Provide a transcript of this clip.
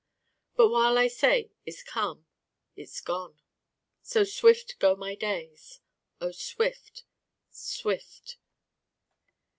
But while I say 'is come': it's gone. So Swift go my days oh Swift, Swift!